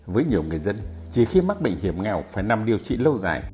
với nhiều người dân chỉ khi mắc bệnh hiểm nghèo phải nằm điều trị lâu dài